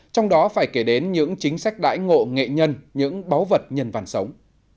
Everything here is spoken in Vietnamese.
trong đó phải kể đến những chính sách đãi ngộ nghệ nhân những báu vật nhân văn sống